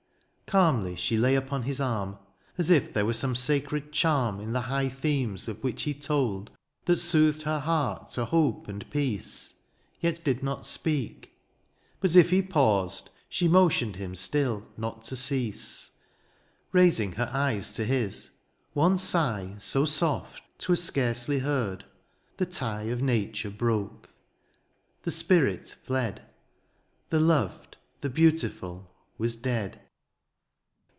Calmly she lay upon his arm — As if there were some sacred charm In the high themes of which he told. That soothed her heart to hope and peace — Yet did not speak ; but if he paused. She motioned him still not to cease. Raising her eyes to his — one sigh. So soft, ^twas scarcely heard — ^the tie Of nature broke — the spirit fled — The loved, the beautiful, was dead.